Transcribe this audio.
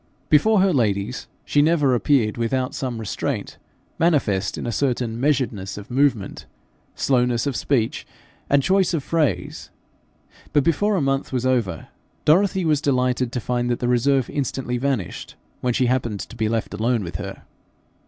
Before her ladies, she never appeared without some restraint manifest in a certain measuredness of movement, slowness of speech, and choice of phrase; but before a month was over, Dorothy was delighted to find that the reserve instantly vanished when she happened to be left alone with her.